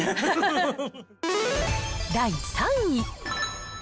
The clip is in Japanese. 第３位。